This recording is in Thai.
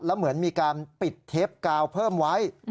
แล้วเหมือนมีการปิดเทปกาวเพิ่มไว้